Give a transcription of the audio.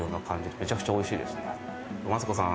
めちゃくちゃおいしいですねマツコさん